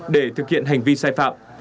để thực hiện hành vi sai phạm